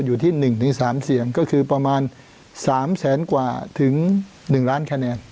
อยู่ที่๑๓เสียงก็คือประมาณ๓แสนกว่าถึง๑ล้านคะแนน